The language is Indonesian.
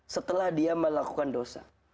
setelah dia melakukan dosa